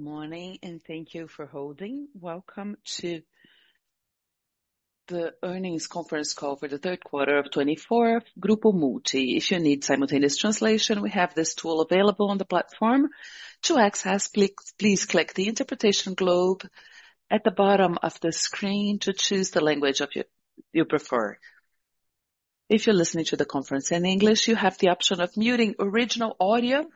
Good morning, and thank you for holding. Welcome to the earnings conference call for the third quarter of 2024, Grupo Multi. If you need simultaneous translation, we have this tool available on the platform. To access, please click the interpretation globe at the bottom of the screen to choose the language you prefer. If you're listening to the conference in English, you have the option of muting original audio.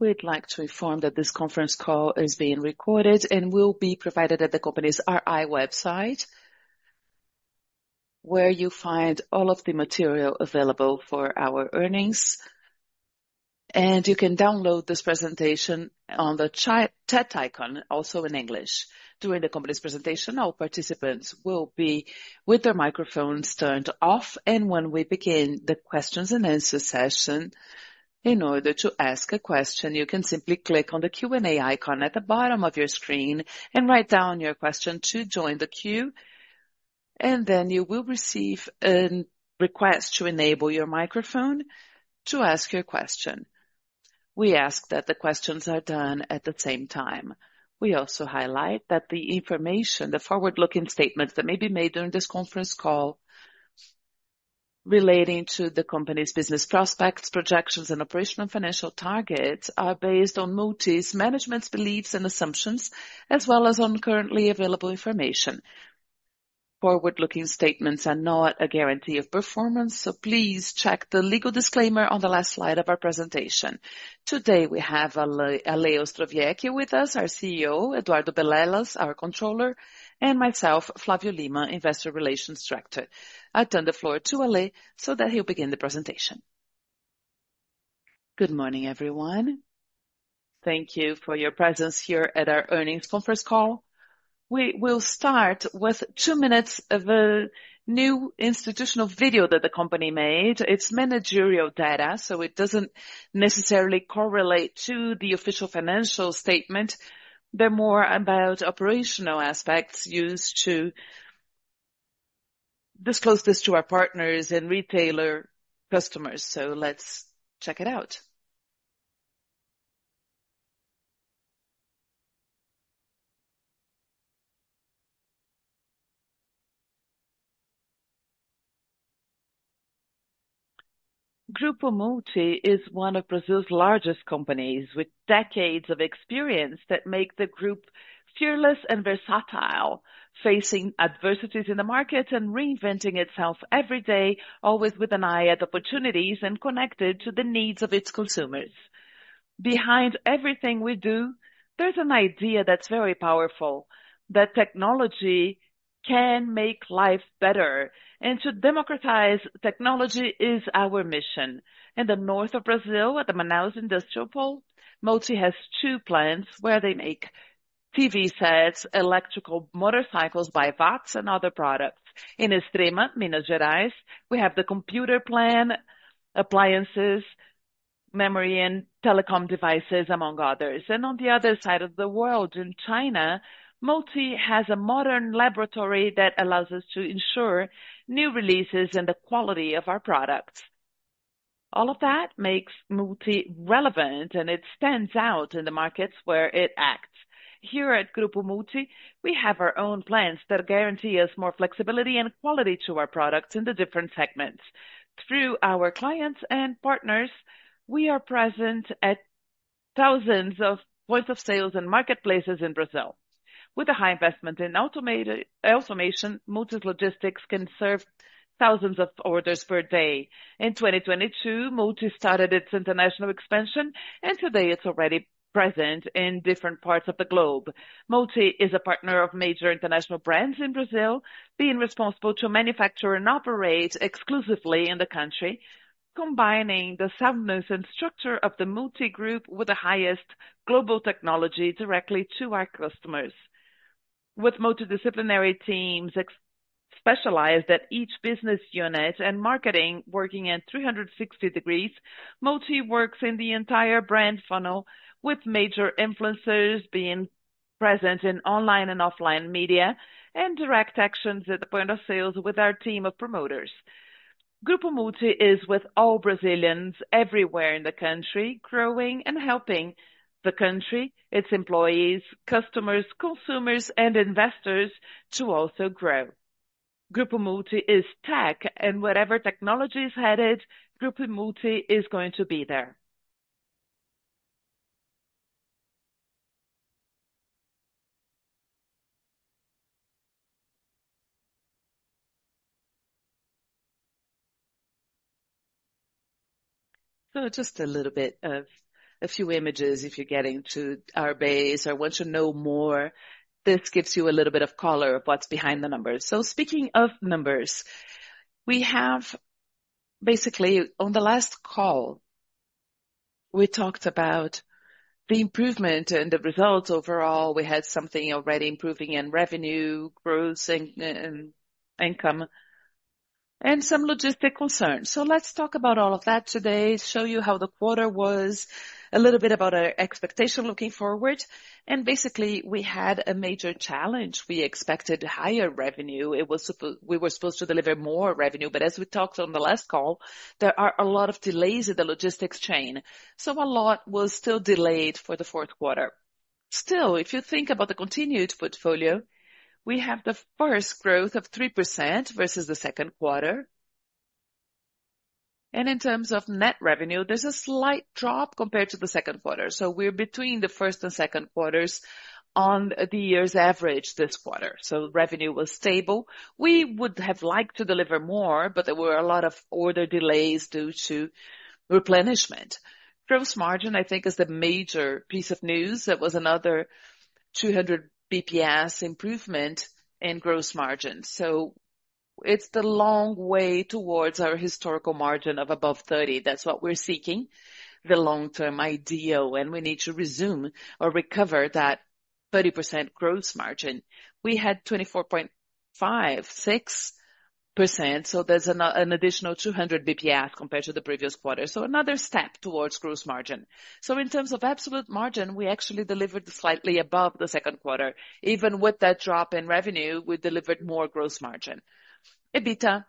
We'd like to inform that this conference call is being recorded and will be provided at the company's RI website, where you find all of the material available for our earnings, and you can download this presentation on the chat icon, also in English. During the company's presentation, all participants will be with their microphones turned off. When we begin the questions and answers session, in order to ask a question, you can simply click on the Q&A icon at the bottom of your screen and write down your question to join the queue. Then you will receive a request to enable your microphone to ask your question. We ask that the questions are done at the same time. We also highlight that the information, the forward-looking statements that may be made during this conference call relating to the company's business prospects, projections, and operational financial targets are based on Multi's management's beliefs and assumptions, as well as on currently available information. Forward-looking statements are not a guarantee of performance, so please check the legal disclaimer on the last slide of our presentation. Today, we have Ale Ostrowiecki with us, our CEO, Eduardo Belelas, our Controller, and myself, Flavio Lima, Investor Relations Director. I'll turn the floor to Ale so that he'll begin the presentation. Good morning, everyone. Thank you for your presence here at our earnings conference call. We will start with two minutes of a new institutional video that the company made. It's managerial data, so it doesn't necessarily correlate to the official financial statement. They're more about operational aspects used to disclose this to our partners and retailer customers. So let's check it out. Grupo Multi is one of Brazil's largest companies with decades of experience that make the group fearless and versatile, facing adversities in the market and reinventing itself every day, always with an eye at opportunities and connected to the needs of its consumers. Behind everything we do, there's an idea that's very powerful: that technology can make life better. And to democratize technology is our mission. In the north of Brazil, at the Manaus industrial pole, Multi has two plants where they make TV sets, electrical motorcycles by Watts, and other products. In Extrema, Minas Gerais, we have the computer plant, appliances, memory, and telecom devices, among others. And on the other side of the world, in China, Multi has a modern laboratory that allows us to ensure new releases and the quality of our products. All of that makes Multi relevant, and it stands out in the markets where it acts. Here at Grupo Multi, we have our own plants that guarantee us more flexibility and quality to our products in the different segments. Through our clients and partners, we are present at thousands of points of sales and marketplaces in Brazil. With a high investment in automation, Multi's logistics can serve thousands of orders per day. In 2022, Multi started its international expansion, and today it's already present in different parts of the globe. Multi is a partner of major international brands in Brazil, being responsible to manufacture and operate exclusively in the country, combining the soundness and structure of the Multi Group with the highest global technology directly to our customers. With multidisciplinary teams specialized at each business unit and marketing working in 360 degrees, Multi works in the entire brand funnel, with major influencers being present in online and offline media and direct actions at the point of sales with our team of promoters. Grupo Multi is with all Brazilians everywhere in the country, growing and helping the country, its employees, customers, consumers, and investors to also grow. Grupo Multi is tech, and wherever technology is headed, Grupo Multi is going to be there. So just a little bit of a few images. If you're getting to our base or want to know more, this gives you a little bit of color of what's behind the numbers. So speaking of numbers, we have basically on the last call, we talked about the improvement and the results overall. We had something already improving in revenue, growth, and income, and some logistics concerns. So let's talk about all of that today, show you how the quarter was, a little bit about our expectation looking forward. And basically, we had a major challenge. We expected higher revenue. We were supposed to deliver more revenue. But as we talked on the last call, there are a lot of delays in the logistics chain. So a lot was still delayed for the fourth quarter. Still, if you think about the continued portfolio, we have the first growth of 3% versus the second quarter. In terms of net revenue, there's a slight drop compared to the second quarter. So we're between the first and second quarters on the year's average this quarter. So revenue was stable. We would have liked to deliver more, but there were a lot of order delays due to replenishment. Gross margin, I think, is the major piece of news. That was another 200 basis points improvement in gross margin. So it's the long way towards our historical margin of above 30%. That's what we're seeking, the long-term ideal. And we need to resume or recover that 30% gross margin. We had 24.56%. So there's an additional 200 basis points compared to the previous quarter. So another step towards gross margin. So in terms of absolute margin, we actually delivered slightly above the second quarter. Even with that drop in revenue, we delivered more gross margin. EBITDA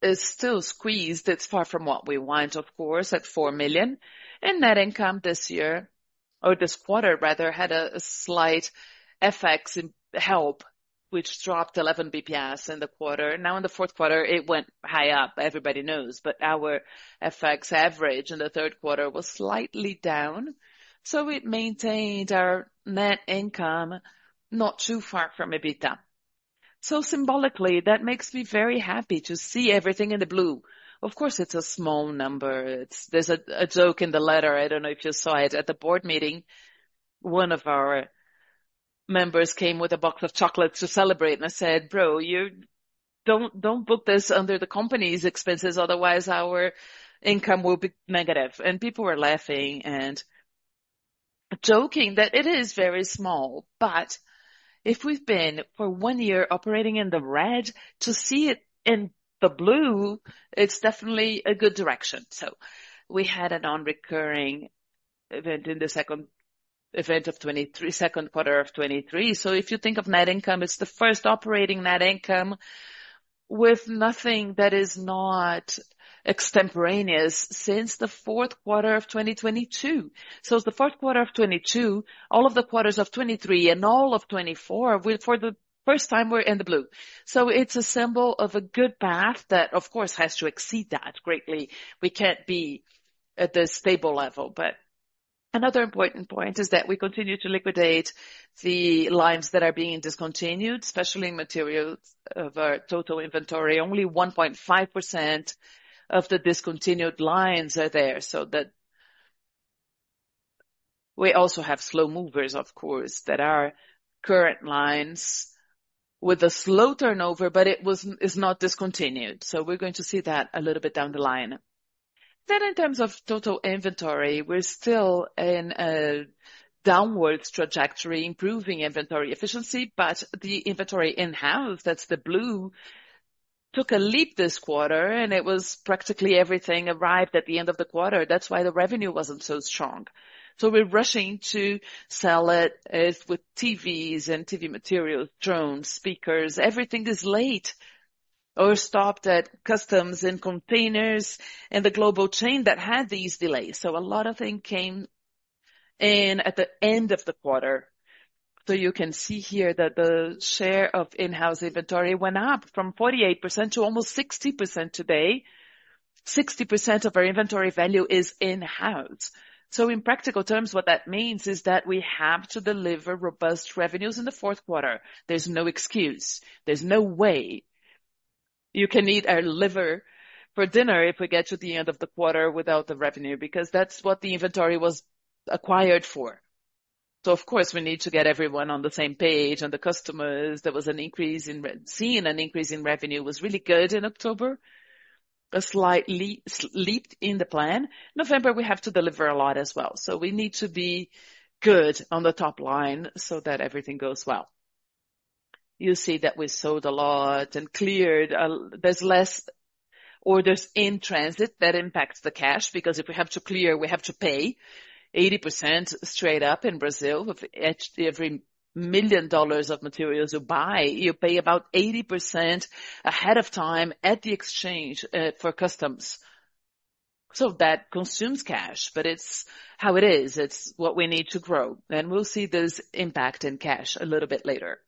is still squeezed. It's far from what we want, of course, at 4 million. And net income this year, or this quarter rather, had a slight FX help, which dropped 11 basis points in the quarter. Now, in the fourth quarter, it went high up. Everybody knows. But our FX average in the third quarter was slightly down. So we maintained our net income not too far from EBITDA. So symbolically, that makes me very happy to see everything in the blue. Of course, it's a small number. There's a joke in the letter. I don't know if you saw it at the board meeting. One of our members came with a box of chocolates to celebrate. And I said, "Bro, don't book this under the company's expenses. Otherwise, our income will be negative." And people were laughing and joking that it is very small. But if we've been for one year operating in the red, to see it in the blue, it's definitely a good direction. So we had a non-recurring event in the second quarter of 2023, second quarter of 2023. So if you think of net income, it's the first operating net income with nothing that is not extemporaneous since the fourth quarter of 2022. So it's the fourth quarter of 2022, all of the quarters of 2023, and all of 2024, for the first time, we're in the blue. So it's a symbol of a good path that, of course, has to exceed that greatly. We can't be at the stable level. But another important point is that we continue to liquidate the lines that are being discontinued, especially in materials of our total inventory. Only 1.5% of the discontinued lines are there. So we also have slow movers, of course, that are current lines with a slow turnover, but it is not discontinued. So we're going to see that a little bit down the line. Then, in terms of total inventory, we're still in a downward trajectory, improving inventory efficiency. But the inventory in-house, that's the blue, took a leap this quarter, and it was practically everything arrived at the end of the quarter. That's why the revenue wasn't so strong. So we're rushing to sell it with TVs and TV materials, drones, speakers. Everything is late or stopped at customs and containers and the global chain that had these delays. So a lot of things came in at the end of the quarter. So you can see here that the share of in-house inventory went up from 48% to almost 60% today. 60% of our inventory value is in-house. In practical terms, what that means is that we have to deliver robust revenues in the fourth quarter. There's no excuse. There's no way you can eat our liver for dinner if we get to the end of the quarter without the revenue, because that's what the inventory was acquired for. Of course, we need to get everyone on the same page. The customers, there was an increase in seeing an increase in revenue was really good in October, a slight leap in the plan. November, we have to deliver a lot as well. We need to be good on the top line so that everything goes well. You see that we sold a lot and cleared. There's less orders in transit that impacts the cash, because if we have to clear, we have to pay 80% straight up in Brazil. Every $1 million of materials you buy, you pay about 80% ahead of time at the exchange for customs. So that consumes cash, but it's how it is. It's what we need to grow. And we'll see this impact in cash a little bit later.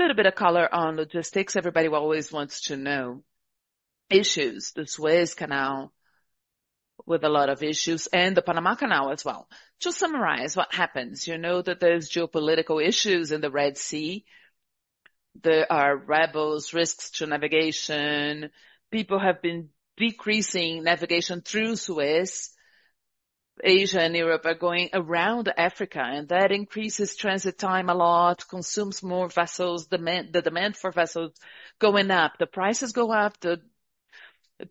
A little bit of color on logistics. Everybody always wants to know issues. The Suez Canal with a lot of issues and the Panama Canal as well. To summarize what happens, you know that there's geopolitical issues in the Red Sea. There are rebels, risks to navigation. People have been decreasing navigation through Suez. Asia and Europe are going around Africa, and that increases transit time a lot, consumes more vessels. The demand for vessels going up, the prices go up, the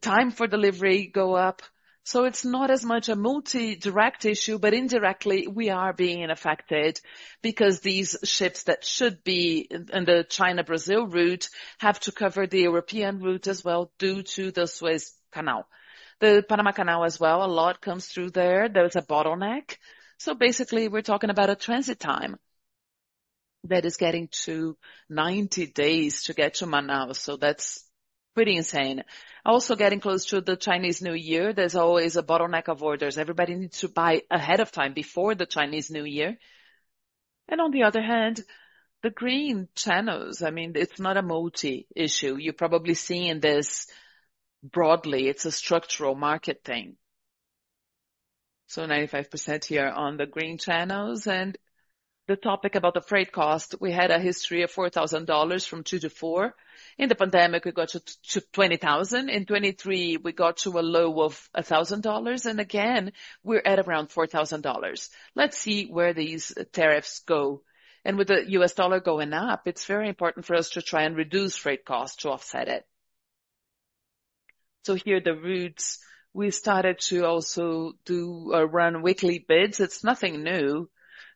time for delivery go up. So it's not as much a Multi direct issue, but indirectly, we are being affected because these ships that should be on the China-Brazil route have to cover the European route as well due to the Suez Canal. The Panama Canal as well, a lot comes through there. There's a bottleneck. So basically, we're talking about a transit time that is getting to 90 days to get to Manaus. So that's pretty insane. Also getting close to the Chinese New Year, there's always a bottleneck of orders. Everybody needs to buy ahead of time before the Chinese New Year. And on the other hand, the green channels, I mean, it's not a Multi issue. You're probably seeing this broadly. It's a structural market thing. So 95% here on the green channels. And the topic about the freight cost, we had a history of $4,000 from $2,000 to $4,000. In the pandemic, we got to $20,000. In 2023, we got to a low of $1,000. And again, we're at around $4,000. Let's see where these tariffs go. And with the U.S. dollar going up, it's very important for us to try and reduce freight costs to offset it. So here are the routes. We started to also do or run weekly bids. It's nothing new.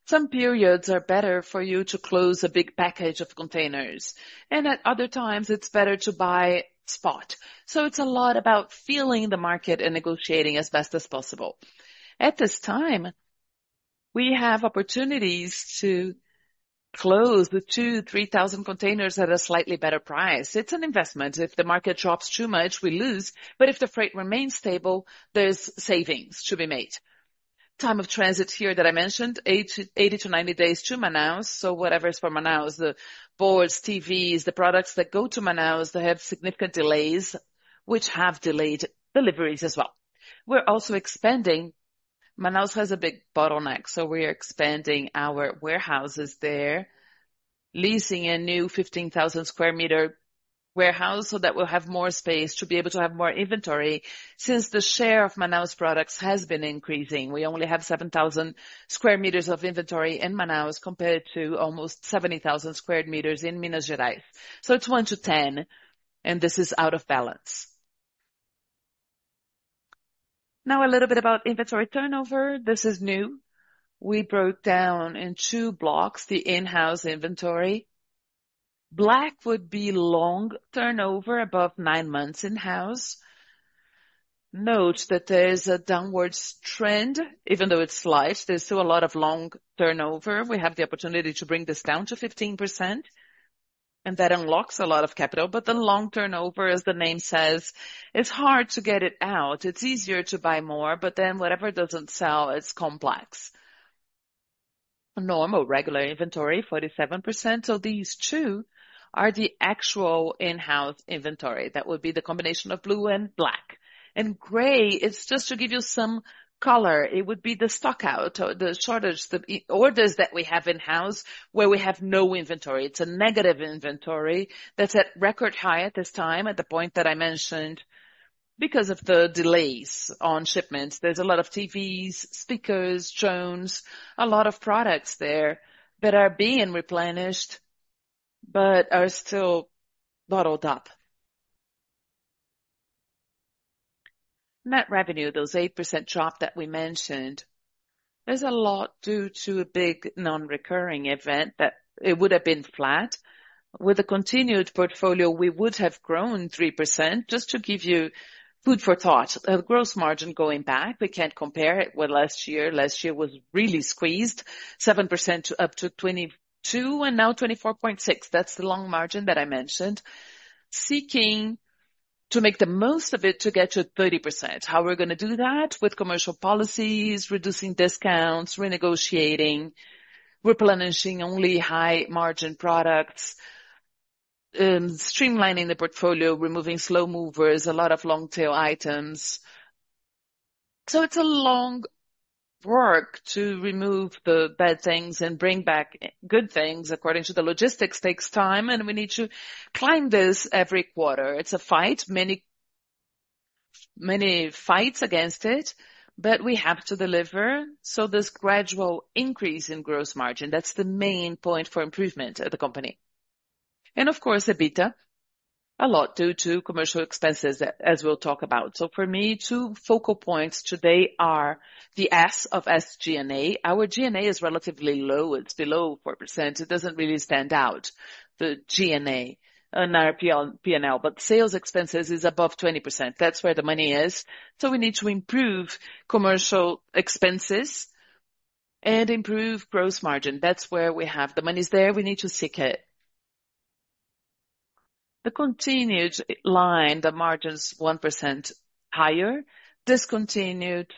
Some periods are better for you to close a big package of containers. And at other times, it's better to buy spot. So it's a lot about feeling the market and negotiating as best as possible. At this time, we have opportunities to close the 2,000, 3,000 containers at a slightly better price. It's an investment. If the market drops too much, we lose. But if the freight remains stable, there's savings to be made. Transit time here that I mentioned, 80 to 90 days to Manaus. So whatever is for Manaus, the boards, TVs, the products that go to Manaus, they have significant delays, which have delayed deliveries as well. We're also expanding. Manaus has a big bottleneck. So we're expanding our warehouses there, leasing a new 15,000 square meter warehouse so that we'll have more space to be able to have more inventory since the share of Manaus products has been increasing. We only have 7,000 square meters of inventory in Manaus compared to almost 70,000 square meters in Minas Gerais. So it's one to 10, and this is out of balance. Now, a little bit about inventory turnover. This is new. We broke down in two blocks the in-house inventory. Black would be long turnover above nine months in-house. Note that there's a downward trend, even though it's slight. There's still a lot of long turnover. We have the opportunity to bring this down to 15%, and that unlocks a lot of capital. But the long turnover, as the name says, it's hard to get it out. It's easier to buy more, but then whatever doesn't sell, it's complex. Normal, regular inventory, 47%. So these two are the actual in-house inventory. That would be the combination of blue and black. And gray is just to give you some color. It would be the stockout, the shortage, the orders that we have in-house where we have no inventory. It's a negative inventory that's at record high at this time, at the point that I mentioned, because of the delays on shipments. There's a lot of TVs, speakers, drones, a lot of products there that are being replenished but are still bottled up. Net revenue, those 8% drop that we mentioned, there's a lot due to a big non-recurring event that it would have been flat. With a continued portfolio, we would have grown 3%. Just to give you food for thought, the gross margin going back, we can't compare it with last year. Last year was really squeezed, 7% to up to 22%, and now 24.6%. That's the gross margin that I mentioned, seeking to make the most of it to get to 30%. How are we going to do that? With commercial policies, reducing discounts, renegotiating, replenishing only high-margin products, streamlining the portfolio, removing slow movers, a lot of long-tail items. So it's a long work to remove the bad things and bring back good things. According to the logistics, it takes time, and we need to climb this every quarter. It's a fight, many fights against it, but we have to deliver. So this gradual increase in gross margin, that's the main point for improvement at the company. And of course, EBITDA, a lot due to commercial expenses, as we'll talk about. So for me, two focal points today are the S of SG&A. Our G&A is relatively low. It's below 4%. It doesn't really stand out, the G&A and our P&L, but sales expenses is above 20%. That's where the money is. So we need to improve commercial expenses and improve gross margin. That's where we have the money's there. We need to seek it. The continued line, the margin's 1% higher. Discontinued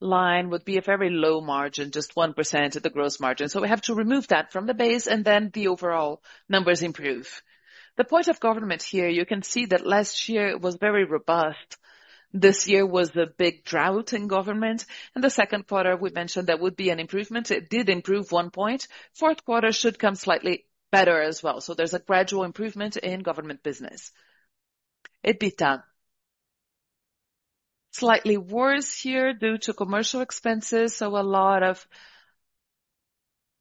line would be a very low margin, just 1% of the gross margin. So we have to remove that from the base, and then the overall numbers improve. The point of government here, you can see that last year was very robust. This year was a big drought in government. And the second quarter, we mentioned that would be an improvement. It did improve one point. Fourth quarter should come slightly better as well. So there's a gradual improvement in government business. EBITDA, slightly worse here due to commercial expenses. So a lot of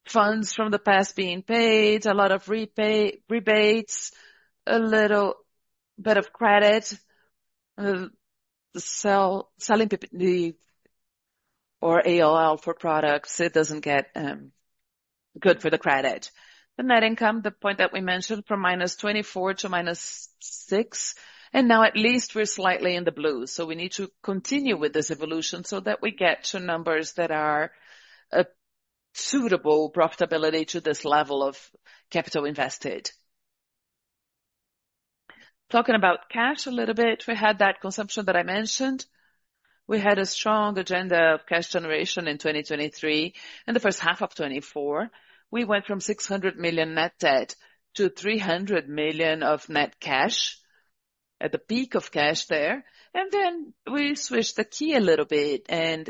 funds from the past being paid, a lot of rebates, a little bit of credit. Or EOL for products, it doesn't get good for the credit. The net income, the point that we mentioned from -24% to -6%. And now at least we're slightly in the blue. So we need to continue with this evolution so that we get to numbers that are suitable profitability to this level of capital invested. Talking about cash a little bit, we had that consumption that I mentioned. We had a strong agenda of cash generation in 2023. In the first half of 2024, we went from 600 million net debt to 300 million of net cash at the peak of cash there. And then we switched the key a little bit and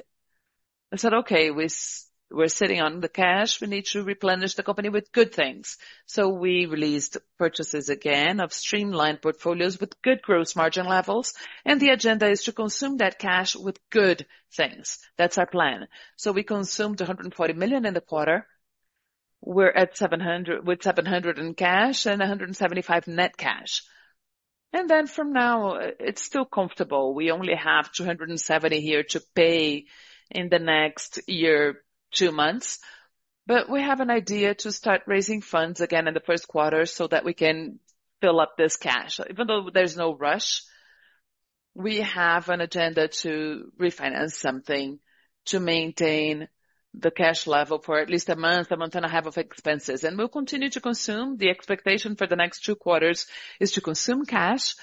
said, "Okay, we're sitting on the cash. We need to replenish the company with good things." So we released purchases again of streamlined portfolios with good gross margin levels. And the agenda is to consume that cash with good things. That's our plan. So we consumed 140 million in the quarter. We're at 700 million with 700 million in cash and 175 million net cash. And then from now, it's still comfortable. We only have 270 million here to pay in the next year 2 months. We have an idea to start raising funds again in the first quarter so that we can fill up this cash. Even though there's no rush, we have an agenda to refinance something to maintain the cash level for at least a month, a month and a half of expenses. And we'll continue to consume. The expectation for the next two quarters is to consume cash.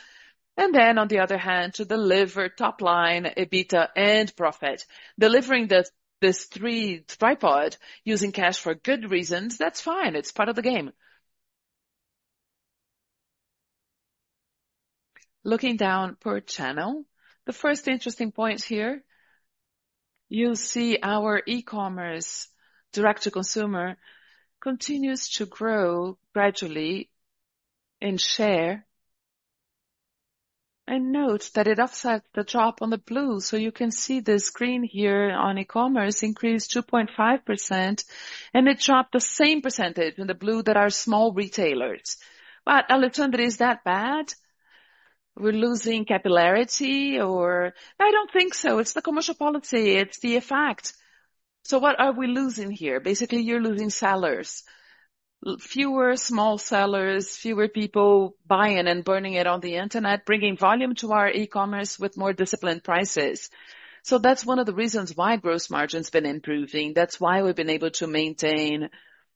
And then, on the other hand, to deliver top line, EBITDA, and profit. Delivering this three tripod using cash for good reasons, that's fine. It's part of the game. Looking down per channel, the first interesting point here, you'll see our e-commerce direct-to-consumer continues to grow gradually in share. And note that it offsets the drop on the blue. So you can see this green here on e-commerce increased 2.5%, and it dropped the same percentage in the blue that are small retailers. Is Alexandre that bad? We're losing capillarity or I don't think so. It's the commercial policy. It's the effect. What are we losing here? Basically, you're losing sellers. Fewer small sellers, fewer people buying and burning it on the internet, bringing volume to our e-commerce with more disciplined prices. That's one of the reasons why gross margin's been improving. That's why we've been able to maintain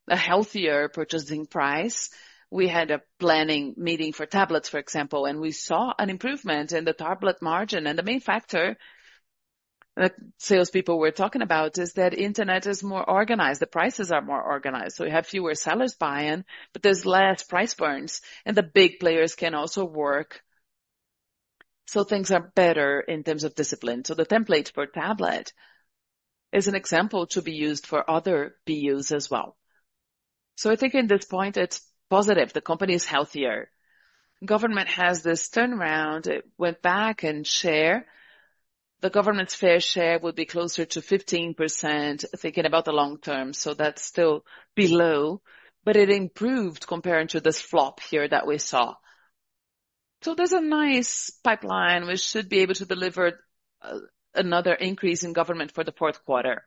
a healthier purchasing price. We had a planning meeting for tablets, for example, and we saw an improvement in the tablet margin. The main factor that salespeople were talking about is that internet is more organized. The prices are more organized. We have fewer sellers buying, but there's less price burns, and the big players can also work. Things are better in terms of discipline. So the template for tablet is an example to be used for other BUs as well. So I think at this point, it's positive. The company is healthier. Governance has this turnaround. It went back in share. The governance fair share would be closer to 15%, thinking about the long term. So that's still below, but it improved compared to this flop here that we saw. So there's a nice pipeline. We should be able to deliver another increase in governance for the fourth quarter.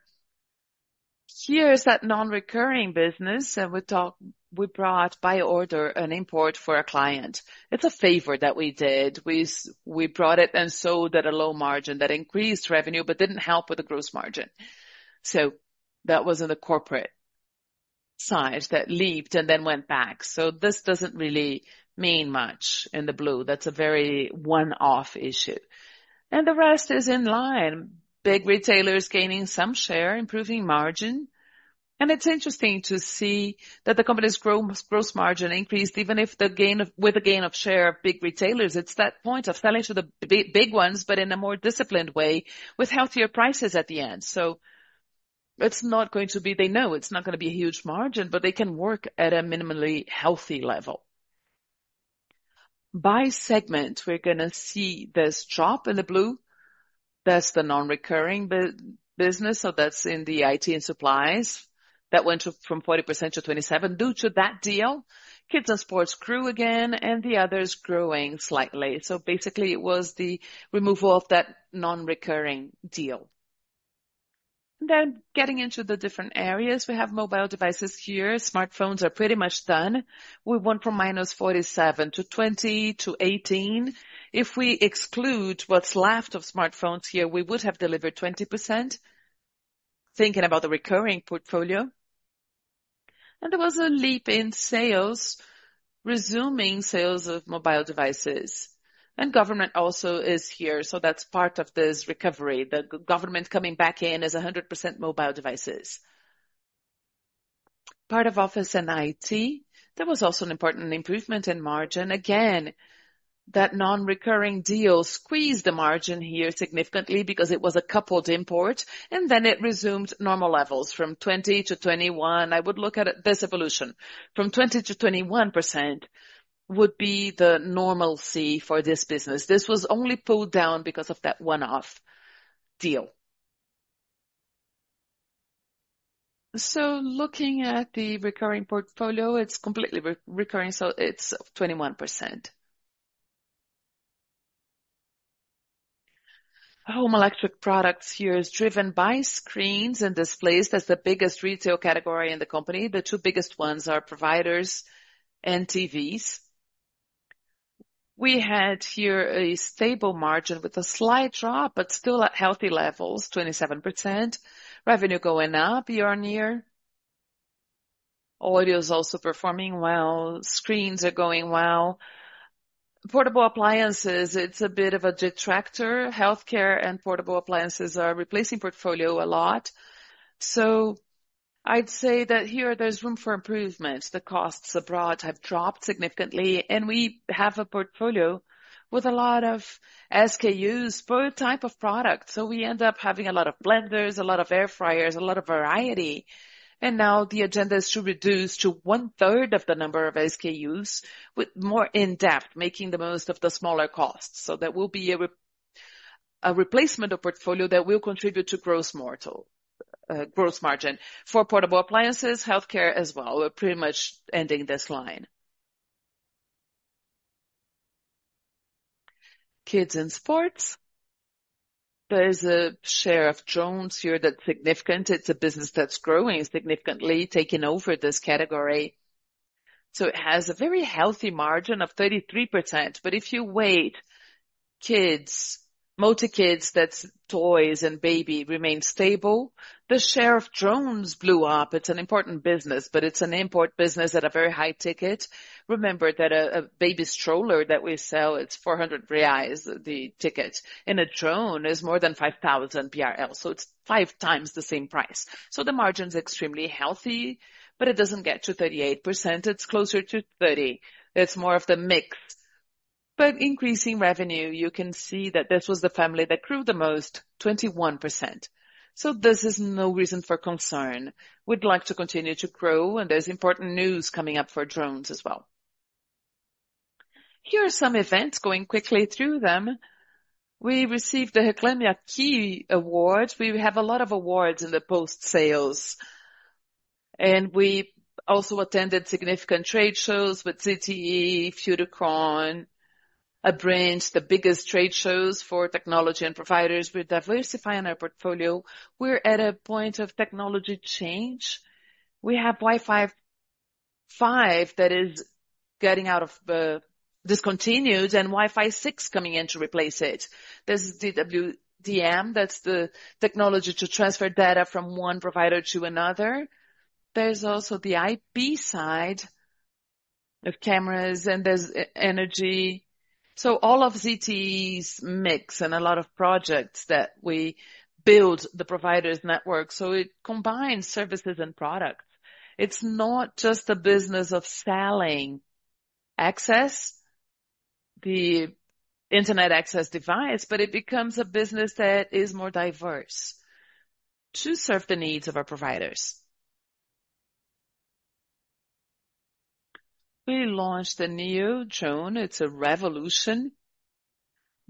Here's that non-recurring business. And we brought by order an import for a client. It's a favor that we did. We brought it and sold at a low margin that increased revenue, but didn't help with the gross margin. So that was in the corporate side that leaped and then went back. So this doesn't really mean much in the blue. That's a very one-off issue, and the rest is in line. Big retailers gaining some share, improving margin, and it's interesting to see that the company's gross margin increased even with the gain of share of big retailers. It's that point of selling to the big ones, but in a more disciplined way with healthier prices at the end. So it's not going to be, they know, it's not going to be a huge margin, but they can work at a minimally healthy level. By segment, we're going to see this drop in the blue. That's the non-recurring business. So that's in the IT and supplies that went from 40%-27% due to that deal. Kids and sports grew again, and the others grew slightly. So basically, it was the removal of that non-recurring deal. Then getting into the different areas, we have mobile devices here. Smartphones are pretty much done. We went from -47% to 20% to 18%. If we exclude what's left of smartphones here, we would have delivered 20%, thinking about the recurring portfolio, and there was a leap in sales, resuming sales of mobile devices, and government also is here, so that's part of this recovery. The government coming back in is 100% mobile devices, part of office and IT. There was also an important improvement in margin. Again, that non-recurring deal squeezed the margin here significantly because it was a coupled import, and then it resumed normal levels from 20%-21%. I would look at this evolution. From 20%-21% would be the normalcy for this business. This was only pulled down because of that one-off deal, so looking at the recurring portfolio, it's completely recurring, so it's 21%. Home electric products here is driven by screens and displays as the biggest retail category in the company. The two biggest ones are providers and TVs. We had here a stable margin with a slight drop, but still at healthy levels, 27%. Revenue going up year on year. Audio is also performing well. Screens are going well. Portable appliances, it's a bit of a detractor. Healthcare and portable appliances are replacing portfolio a lot. So I'd say that here there's room for improvement. The costs abroad have dropped significantly, and we have a portfolio with a lot of SKUs per type of product. So we end up having a lot of blenders, a lot of air fryers, a lot of variety. And now the agenda is to reduce to one-third of the number of SKUs with more in-depth, making the most of the smaller costs. So there will be a replacement of portfolio that will contribute to gross margin for portable appliances, healthcare as well. We're pretty much ending this line. Kids and sports. There's a share of drones here that's significant. It's a business that's growing significantly, taking over this category. So it has a very healthy margin of 33%. But if you weigh kids, Multi-kids, that's toys and baby, remain stable, the share of drones blew up. It's an important business, but it's an import business at a very high ticket. Remember that a baby stroller that we sell, it's 400 reais the ticket. And a drone is more than 5,000. So it's five times the same price. So the margin's extremely healthy, but it doesn't get to 38%. It's closer to 30%. It's more of the mix. But increasing revenue, you can see that this was the family that grew the most, 21%. So this is no reason for concern. We'd like to continue to grow. And there's important news coming up for drones as well. Here are some events going quickly through them. We received the Reclame AQUI Awards. We have a lot of awards in the post-sales. And we also attended significant trade shows with ZTE, Futurecom, ABRINT, the biggest trade shows for technology and providers. We're diversifying our portfolio. We're at a point of technology change. We have Wi-Fi 5 that is getting out of the discontinued and Wi-Fi 6 coming in to replace it. There's DWDM. That's the technology to transfer data from one provider to another. There's also the IP side of cameras, and there's energy. All of ZTE's mix and a lot of projects that we build the providers' network. So it combines services and products. It's not just a business of selling access, the internet access device, but it becomes a business that is more diverse to serve the needs of our providers. We launched the Neo Drone. It's a revolution.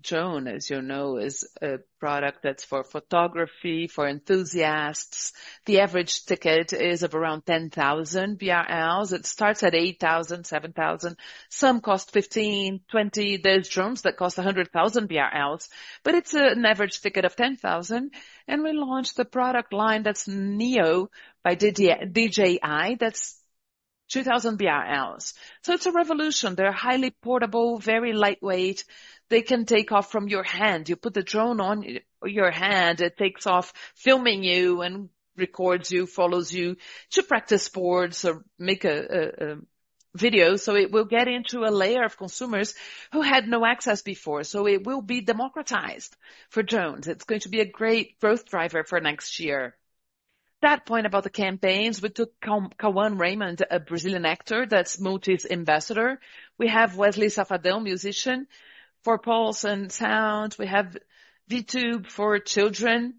Drone, as you know, is a product that's for photography, for enthusiasts. The average ticket is of around 10,000 BRL. It starts at 8,000, 7,000. Some cost 15,000, 20,000. There's drones that cost 100,000 BRL, but it's an average ticket of 10,000. And we launched the product line that's Neo by DJI. That's 2,000 BRL. So it's a revolution. They're highly portable, very lightweight. They can take off from your hand. You put the drone on your hand. It takes off, filming you and records you, follows you to practice sports or make a video. So it will get into a layer of consumers who had no access before. So it will be democratized for drones. It's going to be a great growth driver for next year. That point about the campaigns, we took Cauã Reymond, a Brazilian actor that's a Multi's ambassador. We have Wesley Safadão, musician, for Pulse and sound. We have Viih Tube for children,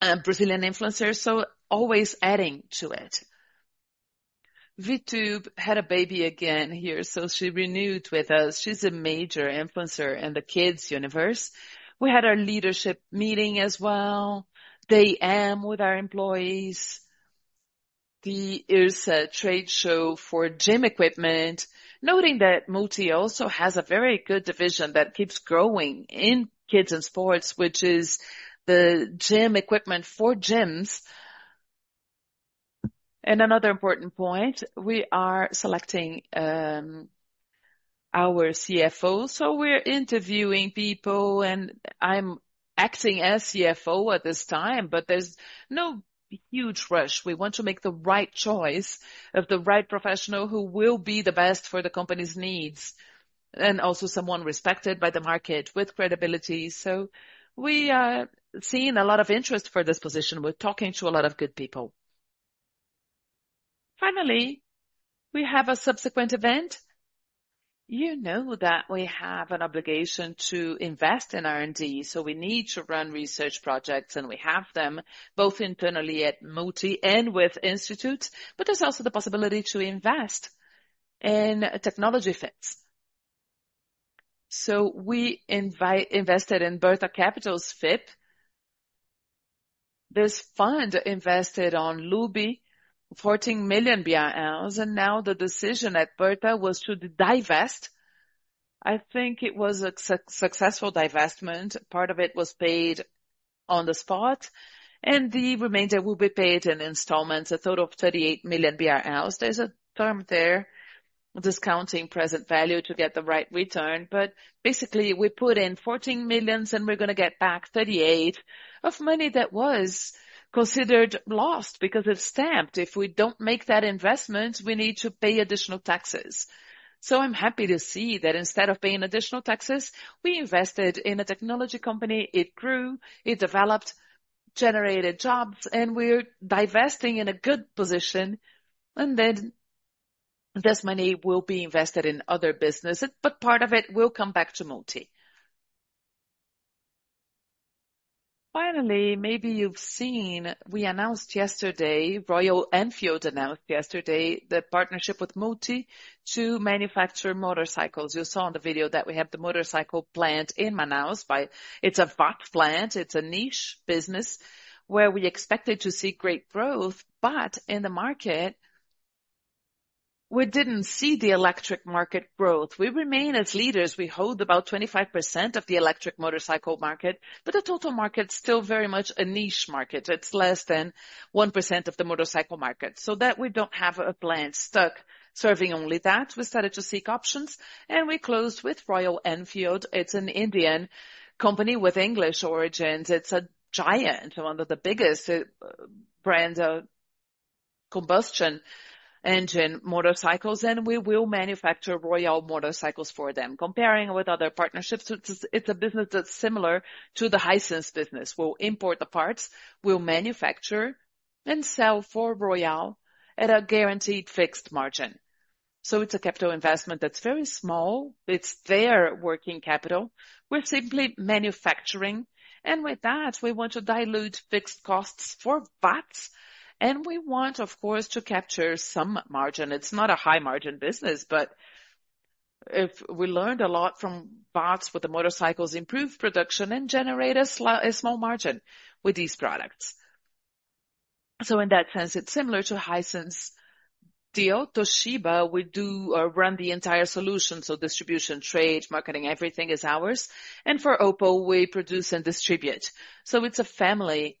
a Brazilian influencer. So always adding to it. Viih Tube had a baby again here, so she renewed with us. She's a major influencer in the kids' universe. We had our leadership meeting as well. Day M with our employees. The IHRSA trade show for gym equipment, noting that Multi also has a very good division that keeps growing in kids and sports, which is the gym equipment for gyms. Another important point, we are selecting our CFO, so we're interviewing people, and I'm acting as CFO at this time, but there's no huge rush. We want to make the right choice of the right professional who will be the best for the company's needs and also someone respected by the market with credibility, so we are seeing a lot of interest for this position. We're talking to a lot of good people. Finally, we have a subsequent event. You know that we have an obligation to invest in R&D, so we need to run research projects, and we have them both internally at Multi and with institutes, but there's also the possibility to invest in technology fits, so we invested in Bertha Capital's FIP. This fund invested on Luby, 14 million BRL. Now the decision at Bertha was to divest. I think it was a successful divestment. Part of it was paid on the spot, and the remainder will be paid in installments, a total of 38 million BRL. There's a term there, discounting present value to get the right return. But basically, we put in 14 million, and we're going to get back 38 million of money that was considered lost because it's stamped. If we don't make that investment, we need to pay additional taxes. So I'm happy to see that instead of paying additional taxes, we invested in a technology company. It grew, it developed, generated jobs, and we're divesting in a good position. And then this money will be invested in other businesses, but part of it will come back to Multi. Finally, maybe you've seen we announced yesterday, Royal Enfield announced yesterday the partnership with Multi to manufacture motorcycles. You saw in the video that we have the motorcycle plant in Manaus by. It's a Watts plant. It's a niche business where we expected to see great growth, but in the market, we didn't see the electric market growth. We remain as leaders. We hold about 25% of the electric motorcycle market, but the total market is still very much a niche market. It's less than 1% of the motorcycle market, so that we don't have a plant stuck serving only that, we started to seek options, and we closed with Royal Enfield. It's an Indian company with English origins. It's a giant, one of the biggest brands of combustion engine motorcycles, and we will manufacture Royal motorcycles for them, comparing with other partnerships. It's a business that's similar to the Hisense business. We'll import the parts, we'll manufacture and sell for Royal at a guaranteed fixed margin, so it's a capital investment that's very small. It's their working capital. We're simply manufacturing. And with that, we want to dilute fixed costs for Watts. And we want, of course, to capture some margin. It's not a high-margin business, but we learned a lot from Watts with the motorcycles improve production and generate a small margin with these products. So in that sense, it's similar to Hisense deal. Toshiba, we do run the entire solution. So distribution, trade, marketing, everything is ours. And for OPPO, we produce and distribute. So it's a family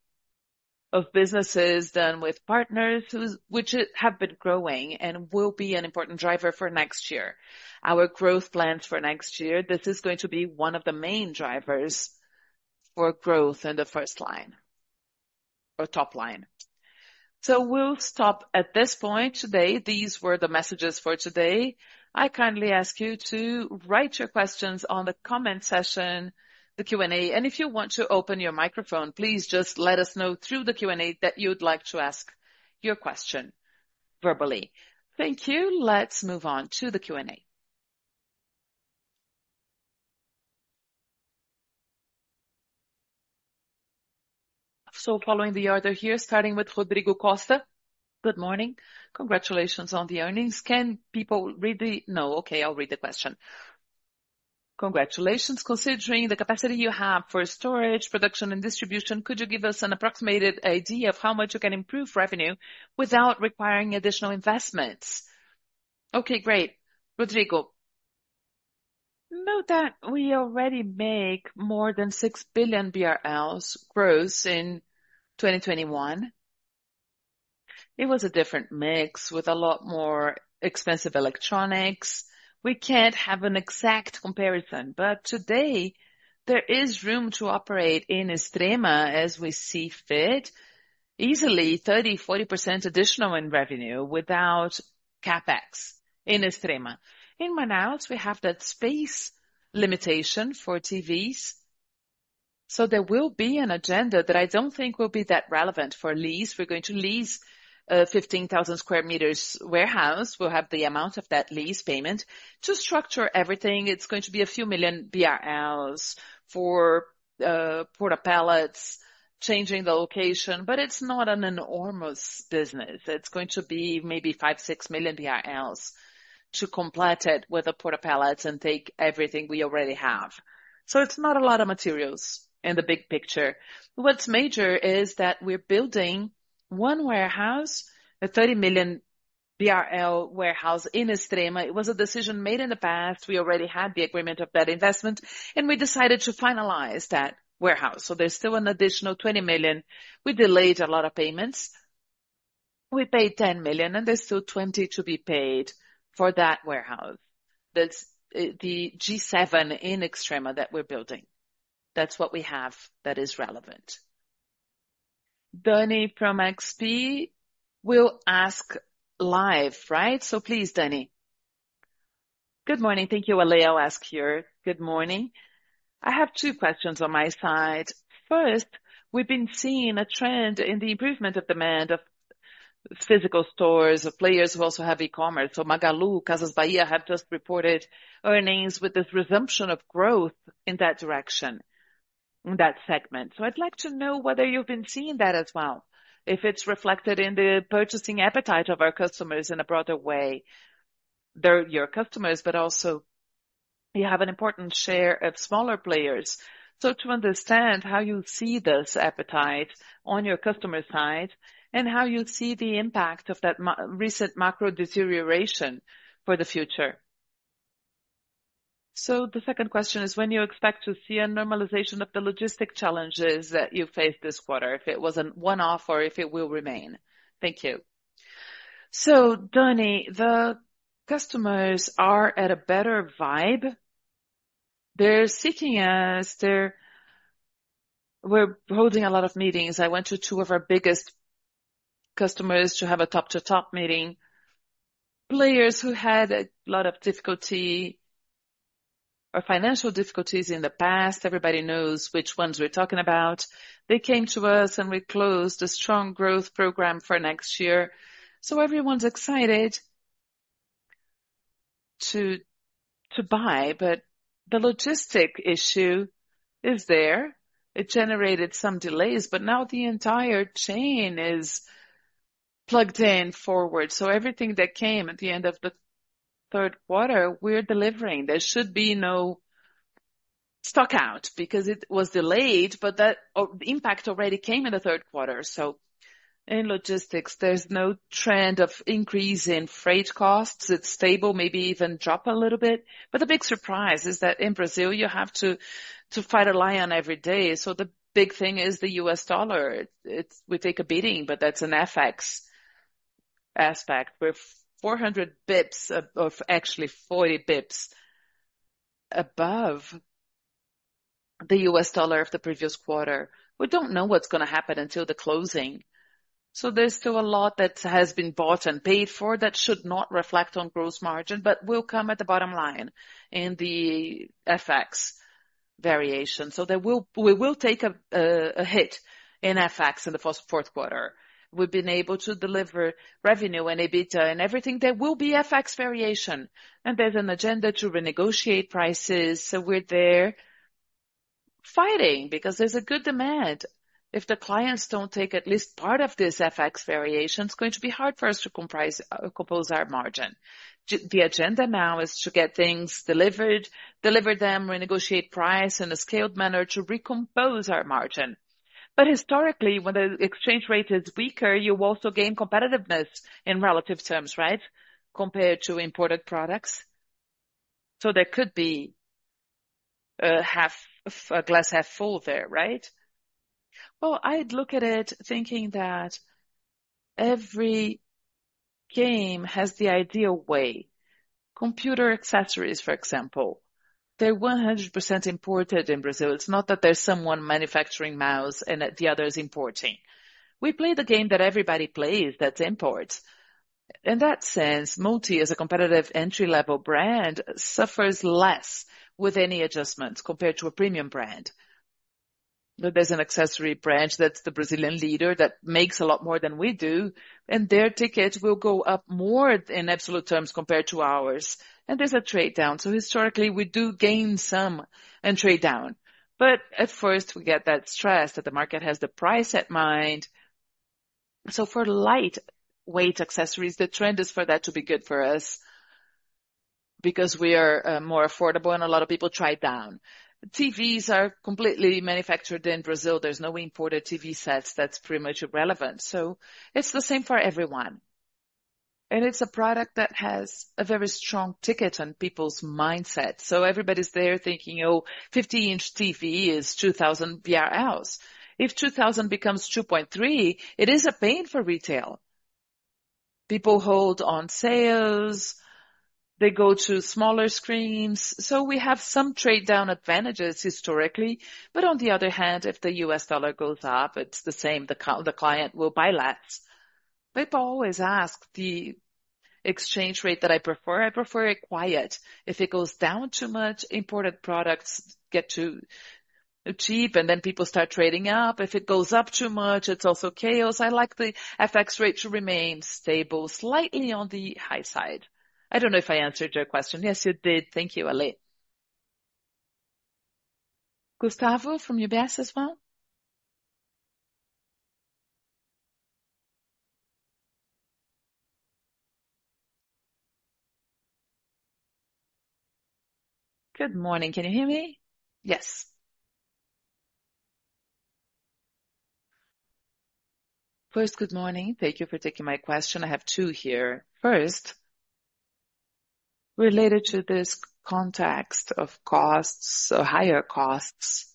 of businesses done with partners which have been growing and will be an important driver for next year. Our growth plans for next year. This is going to be one of the main drivers for growth in the first line or top line. So we'll stop at this point today. These were the messages for today. I kindly ask you to write your questions on the comment section, the Q&A. If you want to open your microphone, please just let us know through the Q&A that you'd like to ask your question verbally. Thank you. Let's move on to the Q&A. Following the order here, starting with Rodrigo Costa. Good morning. Congratulations on the earnings. Can people read the—no, okay, I'll read the question. Congratulations. Considering the capacity you have for storage, production, and distribution, could you give us an approximated idea of how much you can improve revenue without requiring additional investments? Okay, great. Rodrigo. Note that we already make more than 6 billion BRL gross in 2021. It was a different mix with a lot more expensive electronics. We can't have an exact comparison, but today there is room to operate in Extrema as we see fit. Easily 30%-40% additional in revenue without CapEx in Extrema. In Manaus, we have that space limitation for TVs. So there will be an agenda that I don't think will be that relevant for lease. We're going to lease a 15,000 square meters warehouse. We'll have the amount of that lease payment to structure everything. It's going to be a few million BRL for port of pallets, changing the location, but it's not an enormous business. It's going to be maybe 5 million-6 million BRL to complete it with a porta pallets and take everything we already have. So it's not a lot of materials in the big picture. What's major is that we're building one warehouse, a 30 million BRL warehouse in Extrema. It was a decision made in the past. We already had the agreement of that investment, and we decided to finalize that warehouse. So there's still an additional 20 million. We delayed a lot of payments. We paid 10 million, and there's still 20 million to be paid for that warehouse. That's the G7 in Extrema that we're building. That's what we have that is relevant. Dani from XP will ask live, right? So please, Dani. Good morning. Thank you Ale. I'll ask here. Good morning. I have two questions on my side. First, we've been seeing a trend in the improvement of demand of physical stores of players who also have e-commerce. So Magalu, Casas Bahia have just reported earnings with this resumption of growth in that direction, in that segment. So I'd like to know whether you've been seeing that as well, if it's reflected in the purchasing appetite of our customers in a broader way. They're your customers, but also you have an important share of smaller players. To understand how you see this appetite on your customer side and how you see the impact of that recent macro deterioration for the future. The second question is, when you expect to see a normalization of the logistics challenges that you faced this quarter, if it wasn't one-off or if it will remain? Thank you. Dani, the customers are at a better vibe. They're seeking us. We're holding a lot of meetings. I went to two of our biggest customers to have a top-to-top meeting. Players who had a lot of difficulty or financial difficulties in the past. Everybody knows which ones we're talking about. They came to us and we closed a strong growth program for next year. Everyone's excited to buy, but the logistics issue is there. It generated some delays, but now the entire chain is plugged in forward. Everything that came at the end of the third quarter, we're delivering. There should be no stockout because it was delayed, but that impact already came in the third quarter. So in logistics, there's no trend of increase in freight costs. It's stable, maybe even drop a little bit. But the big surprise is that in Brazil, you have to fight a lion every day. So the big thing is the U.S. dollar. We take a beating, but that's an FX aspect. We're 400 basis points of actually 40 basis points above the U.S. dollar of the previous quarter. We don't know what's going to happen until the closing. So there's still a lot that has been bought and paid for that should not reflect on gross margin, but will come at the bottom line in the FX variation. So we will take a hit in FX in the fourth quarter. We've been able to deliver revenue and EBITDA and everything. There will be FX variation, and there's an agenda to renegotiate prices. So we're there fighting because there's a good demand. If the clients don't take at least part of this FX variation, it's going to be hard for us to compose our margin. The agenda now is to get things delivered, deliver them, renegotiate price in a scaled manner to recompose our margin. But historically, when the exchange rate is weaker, you also gain competitiveness in relative terms, right, compared to imported products. So there could be a glass half full there, right? Well, I'd look at it thinking that every game has the ideal way. Computer accessories, for example, they're 100% imported in Brazil. It's not that there's someone manufacturing mouse and the other is importing. We play the game that everybody plays that's imports. In that sense, Multi as a competitive entry-level brand suffers less with any adjustments compared to a premium brand. There's an accessory branch that's the Brazilian leader that makes a lot more than we do, and their tickets will go up more in absolute terms compared to ours. And there's a trade down. So historically, we do gain some and trade down. But at first, we get that stress that the market has the price in mind. So for lightweight accessories, the trend is for that to be good for us because we are more affordable and a lot of people trade down. TVs are completely manufactured in Brazil. There's no imported TV sets. That's pretty much irrelevant. So it's the same for everyone. And it's a product that has a very strong ticket on people's mindset. Everybody's there thinking, "Oh, 50-inch TV is 2,000 BRL." If 2,000 becomes 2,300, it is a pain for retail. People hold on sales. They go to smaller screens. We have some trade-down advantages historically. But on the other hand, if the U.S. dollar goes up, it's the same. The client will buy less. People always ask the exchange rate that I prefer. I prefer it quiet. If it goes down too much, imported products get too cheap, and then people start trading up. If it goes up too much, it's also chaos. I like the FX rate to remain stable, slightly on the high side. I don't know if I answered your question. Yes, you did. Thank you, Ale. Gustavo, from UBS as well. Good morning. Can you hear me? Yes. First, good morning. Thank you for taking my question. I have two here. First, related to this context of costs, higher costs,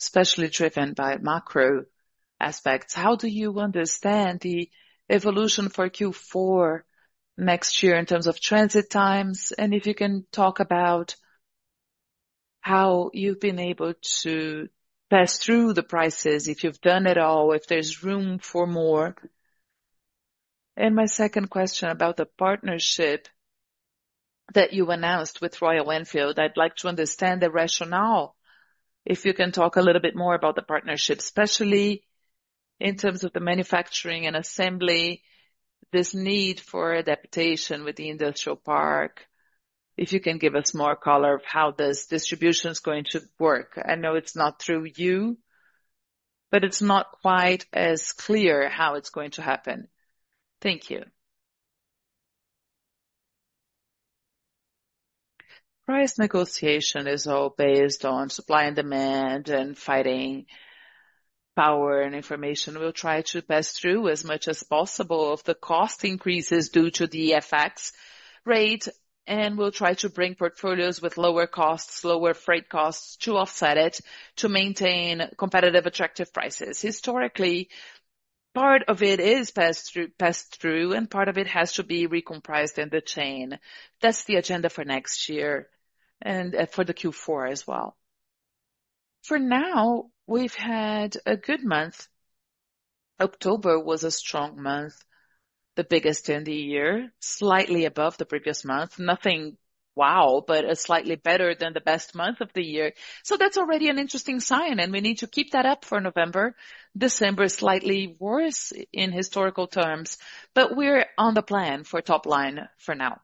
especially driven by macro aspects, how do you understand the evolution for Q4 next year in terms of transit times? And if you can talk about how you've been able to pass through the prices, if you've done it all, if there's room for more. And my second question about the partnership that you announced with Royal Enfield, I'd like to understand the rationale. If you can talk a little bit more about the partnership, especially in terms of the manufacturing and assembly, this need for adaptation with the industrial park, if you can give us more color of how this distribution is going to work. I know it's not through you, but it's not quite as clear how it's going to happen. Thank you. Price negotiation is all based on supply and demand and fighting power and information. We'll try to pass through as much as possible of the cost increases due to the FX rate, and we'll try to bring portfolios with lower costs, lower freight costs to offset it to maintain competitive attractive prices. Historically, part of it is passed through, and part of it has to be recomprised in the chain. That's the agenda for next year and for the Q4 as well. For now, we've had a good month. October was a strong month, the biggest in the year, slightly above the previous month. Nothing wow, but a slightly better than the best month of the year. So that's already an interesting sign, and we need to keep that up for November. December is slightly worse in historical terms, but we're on the plan for top line for now.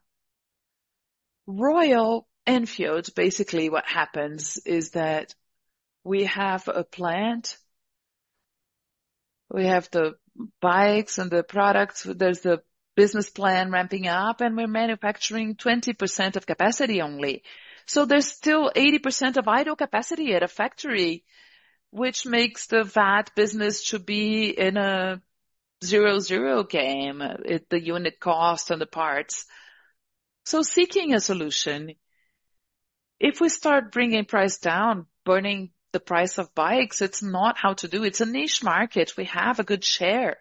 Royal Enfield, basically what happens is that we have a plant. We have the bikes and the products. There's the business plan ramping up, and we're manufacturing 20% of capacity only, so there's still 80% of idle capacity at a factory, which makes the Watts business to be in a zero-zero game, the unit cost and the parts, so seeking a solution, if we start bringing price down, burning the price of bikes, it's not how to do. It's a niche market. We have a good share,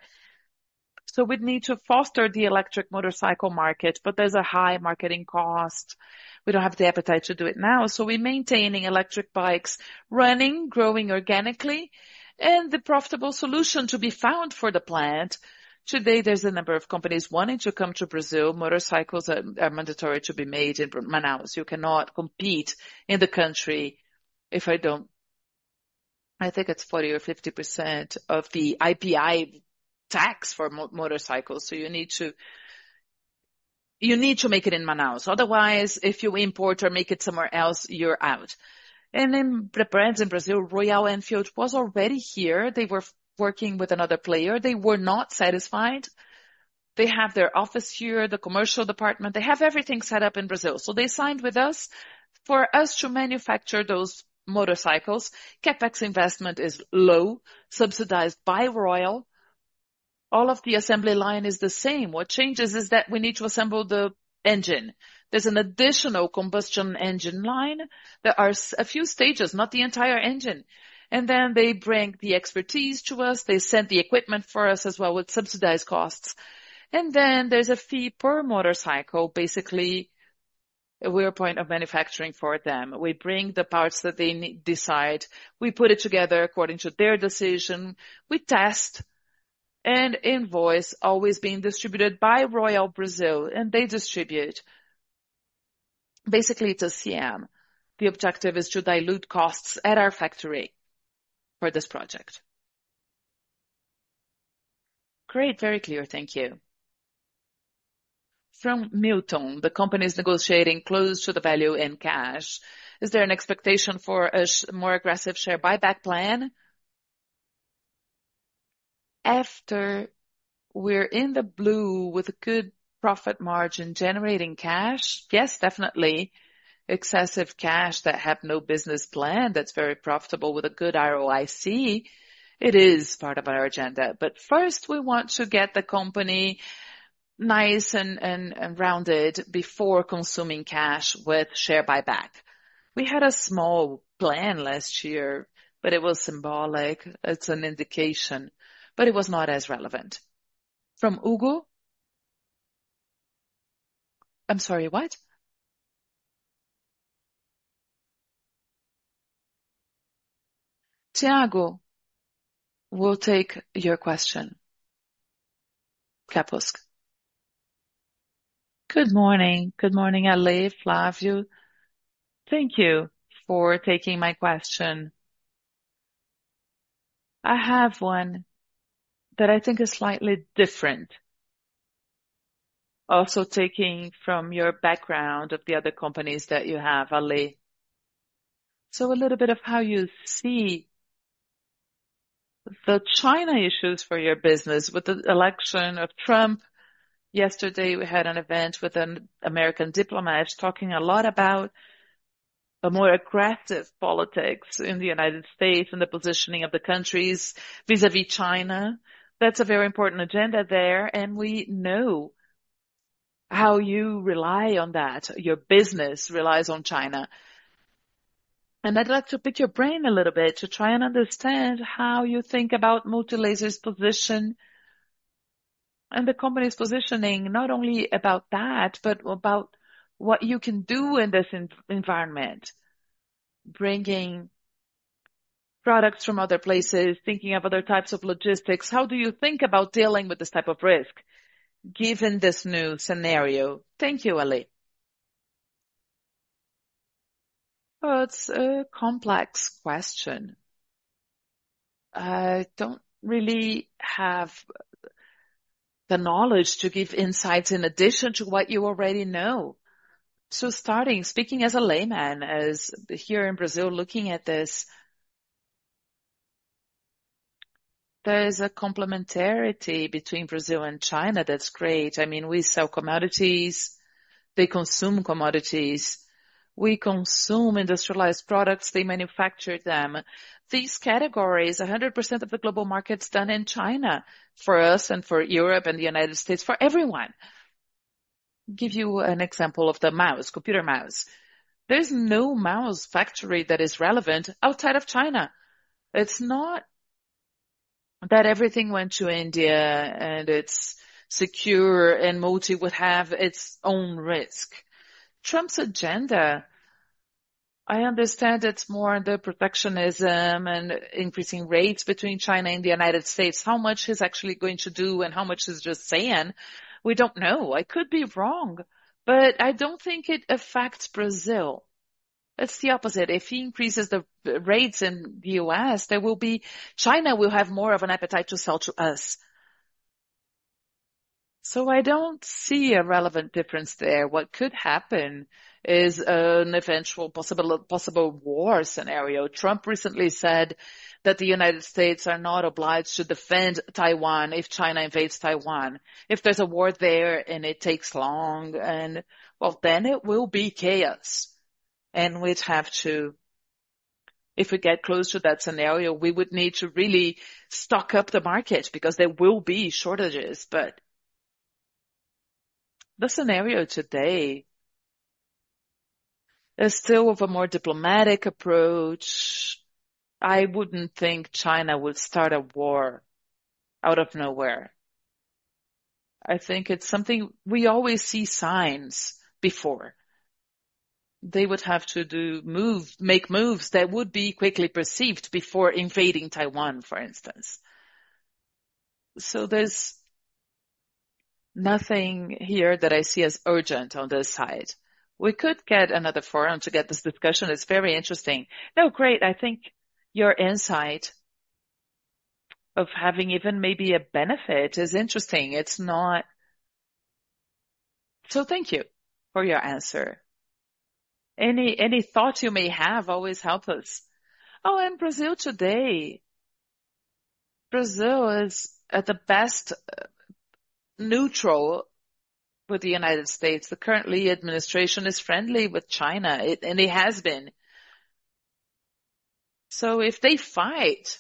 so we'd need to foster the electric motorcycle market, but there's a high marketing cost. We don't have the appetite to do it now, so we're maintaining electric bikes running, growing organically, and the profitable solution to be found for the plant. Today, there's a number of companies wanting to come to Brazil. Motorcycles are mandatory to be made in Manaus. You cannot compete in the country if I don't. I think it's 40% or 50% of the IPI tax for motorcycles. So you need to make it in Manaus. Otherwise, if you import or make it somewhere else, you're out, and in Brazil, Royal Enfield was already here. They were working with another player. They were not satisfied. They have their office here, the commercial department. They have everything set up in Brazil, so they signed with us for us to manufacture those motorcycles. CapEx investment is low, subsidized by Royal. All of the assembly line is the same. What changes is that we need to assemble the engine. There's an additional combustion engine line. There are a few stages, not the entire engine, and then they bring the expertise to us. They send the equipment for us as well with subsidized costs, and then there's a fee per motorcycle, basically a waypoint of manufacturing for them. We bring the parts that they decide. We put it together according to their decision. We test and invoice, always being distributed by Royal Brazil, and they distribute basically it's a CM. The objective is to dilute costs at our factory for this project. Great. Very clear. Thank you. From Milton, the company is negotiating close to the value in cash. Is there an expectation for a more aggressive share buyback plan? After we're in the blue with a good profit margin generating cash, yes, definitely. Excessive cash that have no business plan that's very profitable with a good ROIC. It is part of our agenda. But first, we want to get the company nice and rounded before consuming cash with share buyback. We had a small plan last year, but it was symbolic. It's an indication, but it was not as relevant. From Hugo. I'm sorry, what? Tiago will take your question. Kapulskis. Good morning. Good morning, Ale. Love you. Thank you for taking my question. I have one that I think is slightly different. Also taking from your background of the other companies that you have, Ale. So a little bit of how you see the China issues for your business with the election of Trump. Yesterday, we had an event with an American diplomat. He's talking a lot about a more aggressive politics in the United States and the positioning of the countries vis-à-vis China. That's a very important agenda there. And we know how you rely on that. Your business relies on China. I'd like to pick your brain a little bit to try and understand how you think about Multilaser's position and the company's positioning, not only about that, but about what you can do in this environment, bringing products from other places, thinking of other types of logistics. How do you think about dealing with this type of risk given this new scenario? Thank you, Ale. It's a complex question. I don't really have the knowledge to give insights in addition to what you already know. Starting, speaking as a layman, here in Brazil, looking at this, there's a complementarity between Brazil and China that's great. I mean, we sell commodities. They consume commodities. We consume industrialized products. They manufacture them. These categories, 100% of the global market's done in China for us and for Europe and the United States, for everyone. Give you an example of the mouse, computer mouse. There's no mouse factory that is relevant outside of China. It's not that everything went to India and it's secure and Multi would have its own risk. Trump's agenda, I understand it's more the protectionism and increasing rates between China and the United States. How much he's actually going to do and how much he's just saying, we don't know. I could be wrong, but I don't think it affects Brazil. It's the opposite. If he increases the rates in the U.S., there will be China will have more of an appetite to sell to us. So I don't see a relevant difference there. What could happen is an eventual possible war scenario. Trump recently said that the United States are not obliged to defend Taiwan if China invades Taiwan. If there's a war there and it takes long, well, then it will be chaos, and we'd have to, if we get close to that scenario, we would need to really stock up the market because there will be shortages, but the scenario today is still of a more diplomatic approach. I wouldn't think China would start a war out of nowhere. I think it's something we always see signs before. They would have to make moves that would be quickly perceived before invading Taiwan, for instance, so there's nothing here that I see as urgent on this side. We could get another forum to get this discussion. It's very interesting. No, great. I think your insight of having even maybe a benefit is interesting. It's not, so thank you for your answer. Any thoughts you may have always help us. Oh, and Brazil today. Brazil is at the best neutral with the United States. The current administration is friendly with China, and it has been. So if they fight,